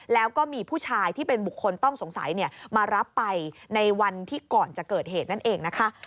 แล้วก็มีผู้ชายที่เป็นบุคคลต้องสงสัยมารับไปในวันที่ก่อนจะเกิดเหตุนั่นเองนะคะ